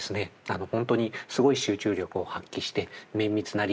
本当にすごい集中力を発揮して綿密なリサーチを重ね